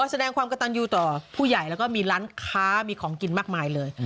แสดงความกระตันยูต่อผู้ใหญ่แล้วก็มีร้านค้ามีของกินมากมายเลย